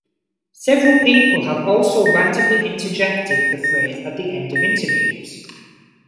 Several people have also randomly interjected the phrase at the end of interviews.